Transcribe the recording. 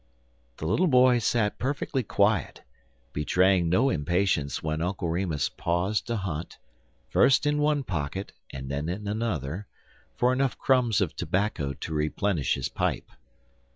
The little boy sat perfectly quiet, betraying no impatience when Uncle Remus paused to hunt, first in one pocket and then in another, for enough crumbs of tobacco to replenish his pipe.